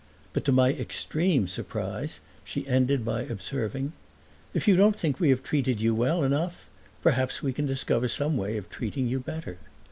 But to my extreme surprise she ended by observing: "If you don't think we have treated you well enough perhaps we can discover some way of treating you better."